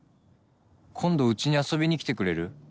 今度うちに遊びに来てくれる？